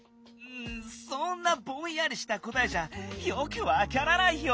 そんなぼんやりしたこたえじゃよくわからないよ！